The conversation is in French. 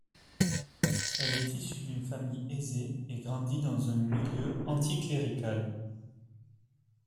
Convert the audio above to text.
Elle est issue d'une famille aisée, et grandit dans un milieu anticlérical.